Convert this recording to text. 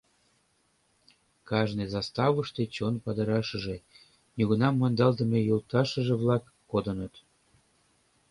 Кажне заставыште чон падырашыже, нигунам мондалтдыме йолташыже-влак кодыныт.